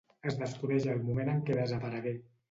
Es desconeix el moment en què desaparegué.